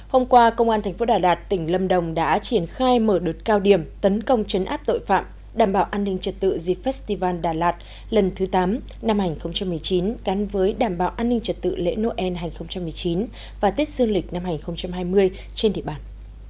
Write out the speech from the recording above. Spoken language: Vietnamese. hôm qua công an tp đà lạt tỉnh lâm đồng đã triển khai mở đột cao điểm tấn công chấn áp tội phạm đảm bảo an ninh trật tự dịp festival đà lạt lần thứ tám năm hai nghìn một mươi chín gắn với đảm bảo an ninh trật tự lễ noel hai nghìn một mươi chín và tết sương lịch năm hai nghìn hai mươi trên địa bàn